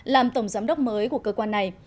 làm tổng giám đốc mới của cơ quan này